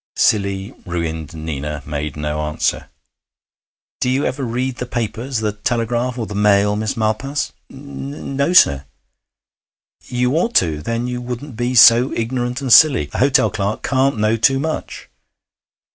Silly, ruined Nina made no answer. 'Do you ever read the papers the Telegraph or the Mail, Miss Malpas?' 'N no, sir.' 'You ought to, then you wouldn't be so ignorant and silly. A hotel clerk can't know too much.